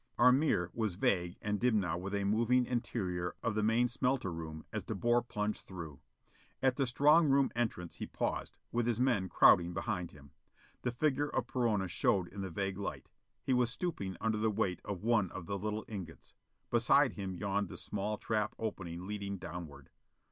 Our mirror was vague and dim now with a moving interior of the main smelter room as De Boer plunged through. At the strong room entrance he paused, with his men crowding behind him. The figure of Perona showed in the vague light: he was stooping under the weight of one of the little ingots. Beside him yawned the small trap opening leading downward.